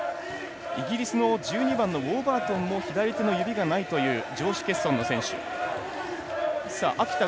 イギリスの１２番のウォーバートンも左手の指がないという上肢欠損の選手。